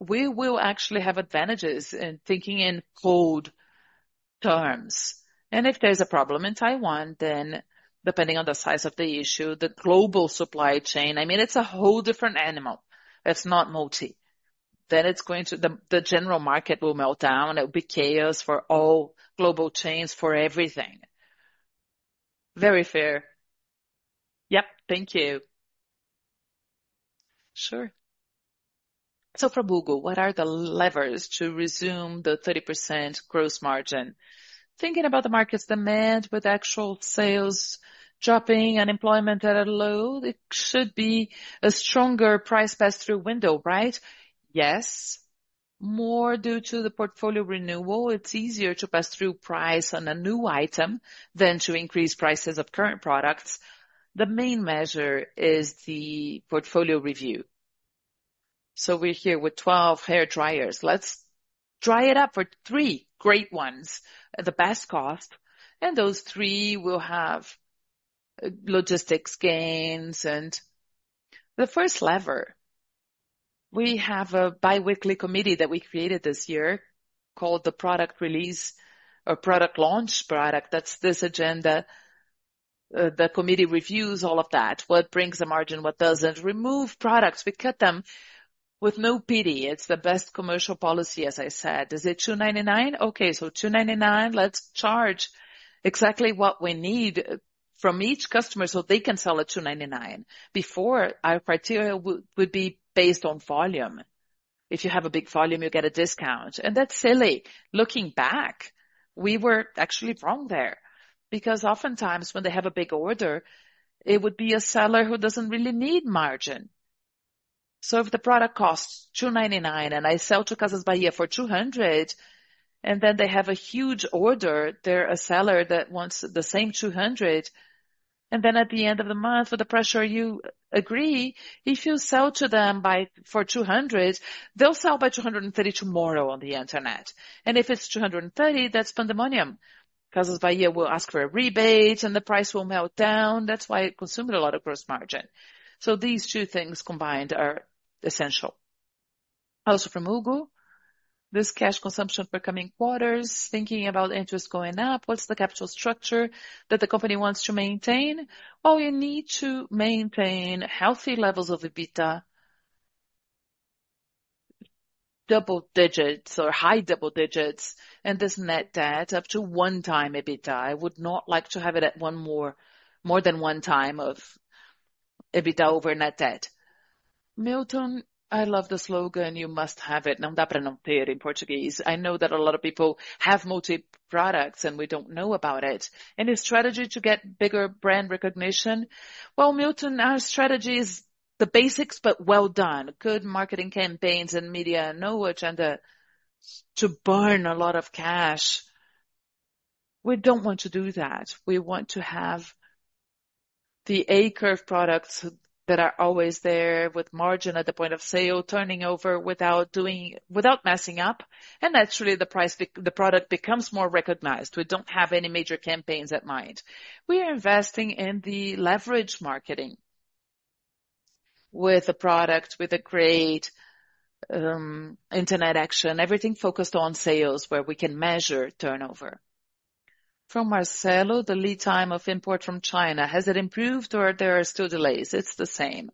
we will actually have advantages in thinking in cold terms. And if there's a problem in Taiwan, then depending on the size of the issue, the global supply chain, I mean, it's a whole different animal. It's not Multi. Then the general market will melt down. It will be chaos for all global chains, for everything. Very fair. Yep. Thank you. Sure. So for Hugo, what are the levers to resume the 30% gross margin? Thinking about the market's demand with actual sales dropping, unemployment at a low, it should be a stronger price pass-through window, right? Yes. More due to the portfolio renewal. It's easier to pass through price on a new item than to increase prices of current products. The main measure is the portfolio review, so we're here with 12 hair dryers. Let's dry it up for three great ones at the best cost, and those three will have logistics gains, and the first lever, we have a biweekly committee that we created this year called the Product Release or Product Launch. That's this agenda. The committee reviews all of that. What brings the margin? What doesn't? Remove products. We cut them with no pity. It's the best commercial policy, as I said. Is it 299? Okay, so 299. Let's charge exactly what we need from each customer so they can sell at 299. Before, our criteria would be based on volume. If you have a big volume, you get a discount, and that's silly. Looking back, we were actually wrong there because oftentimes when they have a big order, it would be a seller who doesn't really need margin. So if the product costs 299 and I sell to Casas Bahia for 200, and then they have a huge order, they're a seller that wants the same 200. And then at the end of the month, with the pressure you agree, if you sell to them for 200, they'll sell by 230 tomorrow on the internet. And if it's 230, that's pandemonium. Casas Bahia will ask for a rebate, and the price will melt down. That's why it consumed a lot of gross margin. So these two things combined are essential. Also from Hugo, this cash consumption for coming quarters, thinking about interest going up, what's the capital structure that the company wants to maintain? Well, you need to maintain healthy levels of EBITDA, double digits or high double digits, and this net debt up to one time EBITDA. I would not like to have it at one more than one time of EBITDA over net debt. Milton, I love the slogan. You must have it. Não dá para não ter in Portuguese. I know that a lot of people have multi-products and we don't know about it. And it's strategy to get bigger brand recognition. Well, Milton, our strategy is the basics, but well done. Good marketing campaigns and media know-how and to burn a lot of cash. We don't want to do that. We want to have the A-curve products that are always there with margin at the point of sale, turning over without messing up. And naturally, the product becomes more recognized. We don't have any major campaigns in mind. We are investing in the leverage marketing with a product with a great internet action, everything focused on sales where we can measure turnover. From Marcelo, the lead time of import from China. Has it improved or there are still delays? It's the same.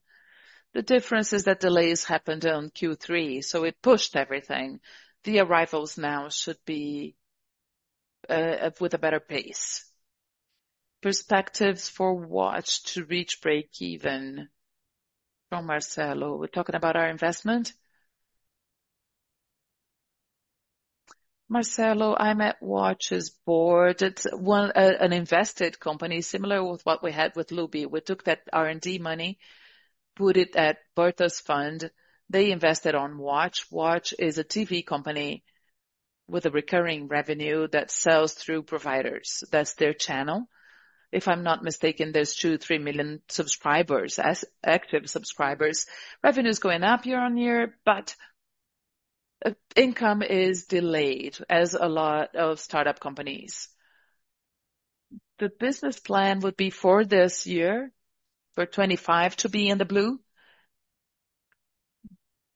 The difference is that delays happened on Q3, so it pushed everything. The arrivals now should be with a better pace. Perspectives for Watch to reach breakeven from Marcelo. We're talking about our investment? Marcelo, I'm at Watch's Board. It's an invested company similar with what we had with Luby. We took that R&D money, put it at Bertha's fund. They invested on Watch. Watch is a TV company with a recurring revenue that sells through providers. That's their channel. If I'm not mistaken, there's 2, 3 million subscribers, active subscribers. Revenue is going up year on year, but income is delayed as in a lot of startup companies. The business plan would be for this year, for 2025, to be in the blue.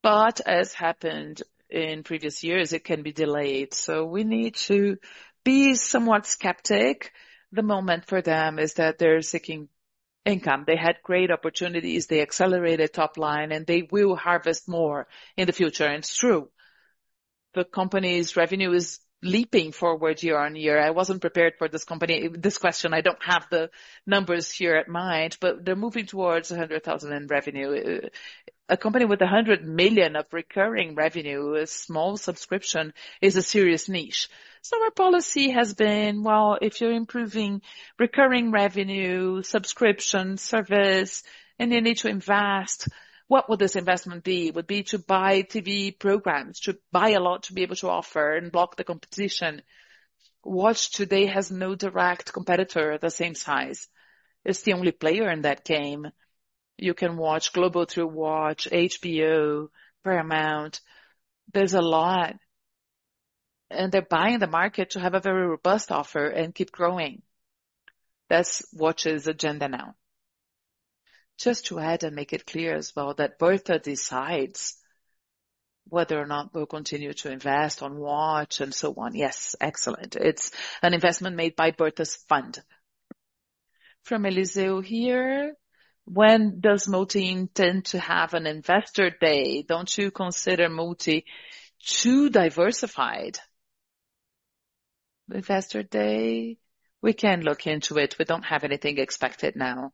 But as happened in previous years, it can be delayed. So we need to be somewhat skeptical. The moment for them is that they're seeking income. They had great opportunities. They accelerated top line, and they will harvest more in the future. And it's true. The company's revenue is leaping forward year on year. I wasn't prepared for this company. This question, I don't have the numbers here in mind, but they're moving towards 100,000 in revenue. A company with 100 million of recurring revenue, a small subscription, is a serious niche. So our policy has been, well, if you're improving recurring revenue, subscription, service, and you need to invest, what would this investment be? Would be to buy TV programs, to buy a lot to be able to offer and block the competition. Watch today has no direct competitor at the same size. It's the only player in that game. You can watch Globo through Watch, HBO, Paramount. There's a lot. And they're buying the market to have a very robust offer and keep growing. That's Watch's agenda now. Just to add and make it clear as well that Bertha decides whether or not we'll continue to invest on Watch and so on. Yes, excellent. It's an investment made by Bertha's fund. From Eliseu here, when does Multi intend to have an Investor Day? Don't you consider Multi too diversified? Investor Day, we can look into it. We don't have anything expected now.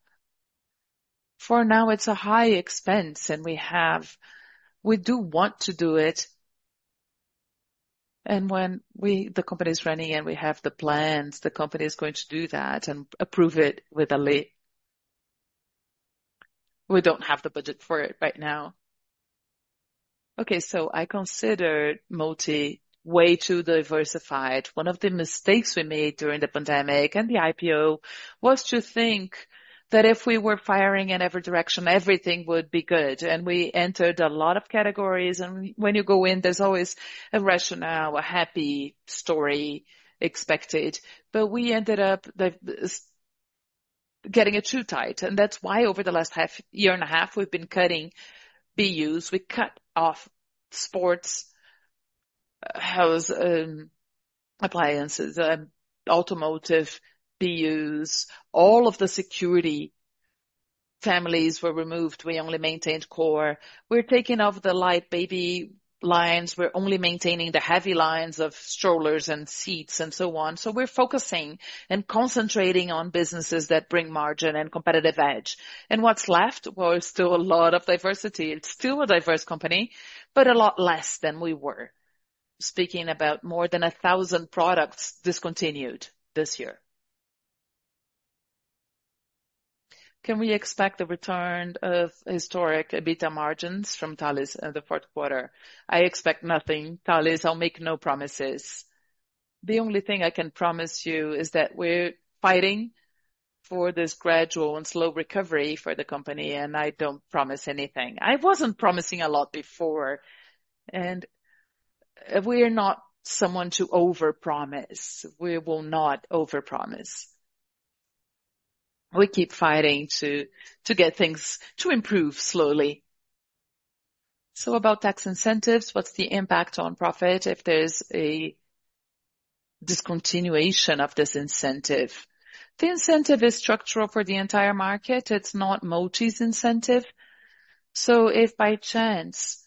For now, it's a high expense, and we do want to do it. When the company is running and we have the plans, the company is going to do that and approve it with Ale. We don't have the budget for it right now. Okay, so I considered Multi way too diversified. One of the mistakes we made during the pandemic and the IPO was to think that if we were firing in every direction, everything would be good. We entered a lot of categories. When you go in, there's always a rationale, a happy story expected. But we ended up getting it too tight. That's why over the last year and a half, we've been cutting BUs. We cut off sports appliances, automotive BUs. All of the security families were removed. We only maintained core. We're taking off the light baby lines. We're only maintaining the heavy lines of strollers and seats and so on. We're focusing and concentrating on businesses that bring margin and competitive edge. What's left was still a lot of diversity. It's still a diverse company, but a lot less than we were. Speaking about more than 1,000 products discontinued this year. Can we expect the return of historic EBITDA margins from Thales in the fourth quarter? I expect nothing, Thales. I'll make no promises. The only thing I can promise you is that we're fighting for this gradual and slow recovery for the company, and I don't promise anything. I wasn't promising a lot before. We're not someone to overpromise. We will not overpromise. We keep fighting to get things to improve slowly. About tax incentives, what's the impact on profit if there's a discontinuation of this incentive? The incentive is structural for the entire market. It's not Multi's incentive. So if by chance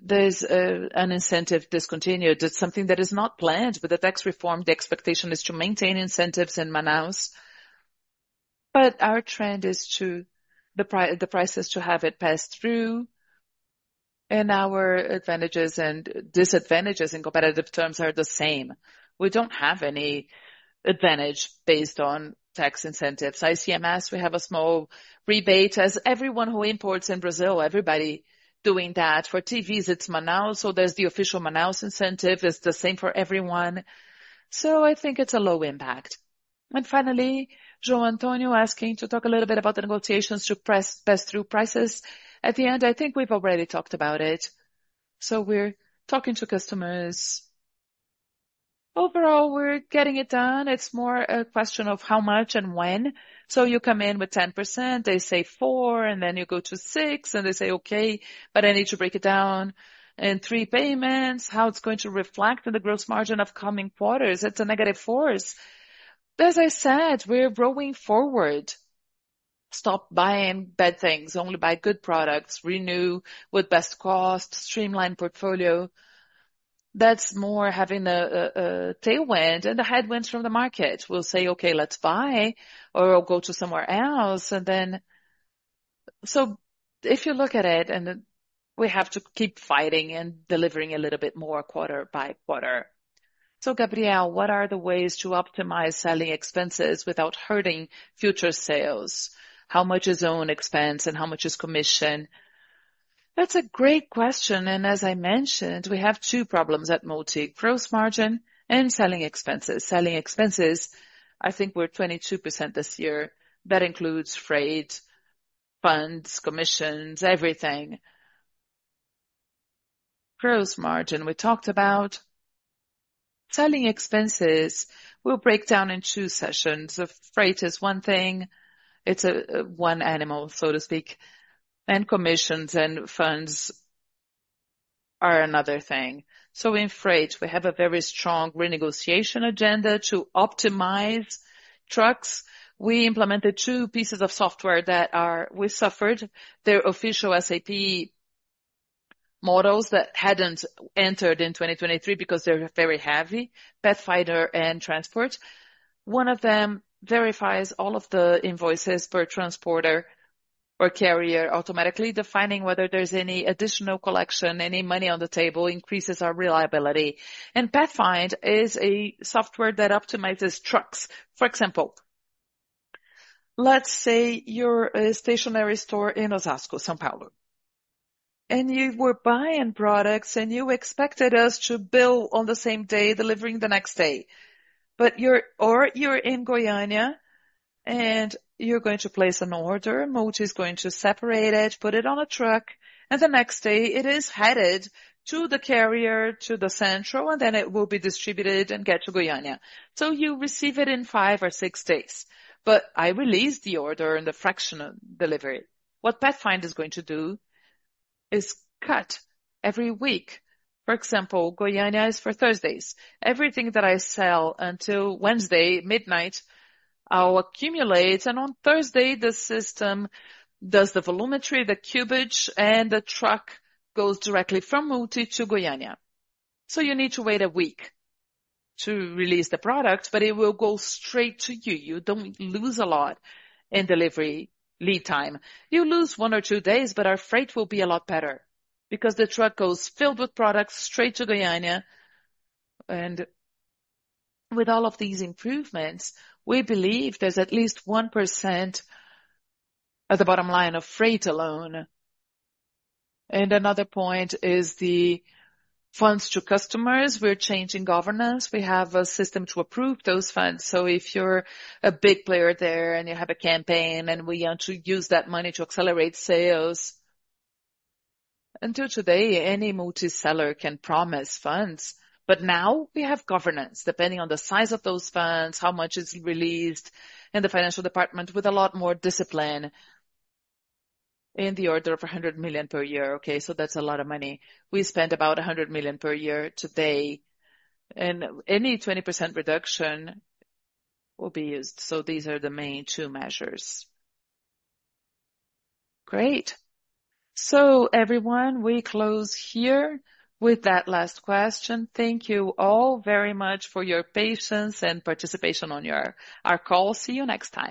there's an incentive discontinued, it's something that is not planned. With the tax reform, the expectation is to maintain incentives in Manaus. But our trend is to the price is to have it pass through. And our advantages and disadvantages in competitive terms are the same. We don't have any advantage based on tax incentives. ICMS, we have a small rebate as everyone who imports in Brazil, everybody doing that. For TVs, it's Manaus. So there's the official Manaus incentive. It's the same for everyone. So I think it's a low impact. And finally, João Antônio asking to talk a little bit about the negotiations to pass through prices. At the end, I think we've already talked about it. So we're talking to customers. Overall, we're getting it done. It's more a question of how much and when. So you come in with 10%, they say 4%, and then you go to 6%, and they say, "Okay, but I need to break it down in three payments. How it's going to reflect in the gross margin of coming quarters?" It's a negative force. As I said, we're growing forward. Stop buying bad things. Only buy good products. Renew with best cost. Streamline portfolio. That's more having a tailwind and a headwind from the market. We'll say, "Okay, let's buy or go to somewhere else." And then, so if you look at it, we have to keep fighting and delivering a little bit more quarter by quarter. So Gabriel, what are the ways to optimize selling expenses without hurting future sales? How much is own expense and how much is commission? That's a great question. As I mentioned, we have two problems at Multi: gross margin and selling expenses. Selling expenses, I think we're 22% this year. That includes freight, funds, commissions, everything. Gross margin, we talked about. Selling expenses, we'll break down in two sessions. Freight is one thing. It's one animal, so to speak. Commissions and funds are another thing. In freight, we have a very strong renegotiation agenda to optimize trucks. We implemented two pieces of software that we suffered. They're official SAP models that hadn't entered in 2023 because they're very heavy: Pathfinder and Transport. One of them verifies all of the invoices per transporter or carrier automatically, defining whether there's any additional collection, any money on the table, increases our reliability. Pathfinder is a software that optimizes trucks. For example, let's say you're a stationery store in Osasco, São Paulo. You were buying products, and you expected us to bill on the same day, delivering the next day. Or you're in Goiânia, and you're going to place an order. Multi is going to separate it, put it on a truck, and the next day, it is headed to the carrier, to the central, and then it will be distributed and get to Goiânia. So you receive it in five or six days. But I released the order and the fractional delivery. What Pathfinder is going to do is cut every week. For example, Goiânia is for Thursdays. Everything that I sell until Wednesday midnight, I'll accumulate, and on Thursday, the system does the volumetry, the cubage, and the truck goes directly from Multi to Goiânia. So you need to wait a week to release the product, but it will go straight to you. You don't lose a lot in delivery lead time. You lose one or two days, but our freight will be a lot better because the truck goes filled with products straight to Goiânia, and with all of these improvements, we believe there's at least 1% at the bottom line of freight alone, and another point is the funds to customers, we're changing governance. We have a system to approve those funds, so if you're a big player there and you have a campaign and we want to use that money to accelerate sales, until today, any multi-seller can promise funds, but now we have governance depending on the size of those funds, how much is released, and the financial department with a lot more discipline in the order of 100 million per year. Okay, so that's a lot of money. We spend about 100 million per year today. And any 20% reduction will be used. So these are the main two measures. Great. So everyone, we close here with that last question. Thank you all very much for your patience and participation on our call. See you next time.